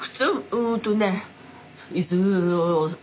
うんとね。